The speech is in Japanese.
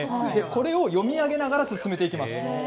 これを読み上げながら進めていきます。